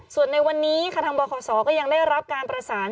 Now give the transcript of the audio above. ส่วนในวันนี้ค่ะทางบคศก็ยังได้รับการประสาน